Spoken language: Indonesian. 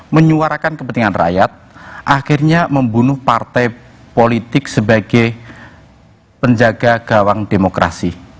menyuarakan kepentingan rakyat akhirnya membunuh partai politik sebagai penjaga gawang demokrasi